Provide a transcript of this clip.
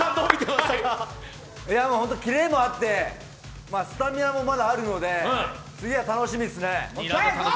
キレもあってスタミナもまだあるので、次が楽しみですね。